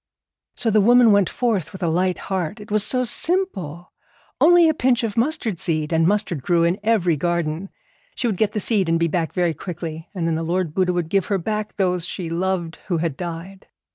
So the woman went forth with a light heart. It was so simple, only a pinch of mustard seed, and mustard grew in every garden. She would get the seed and be back very quickly, and then the Lord Buddha would give her back those she loved who had died.